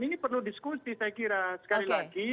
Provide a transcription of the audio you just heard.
ini perlu diskusi saya kira sekali lagi